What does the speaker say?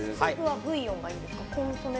ブイヨンがいいですか？